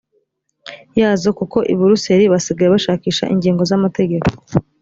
yazo kuko i buruseli basigaye bashakisha ingingo z amategeko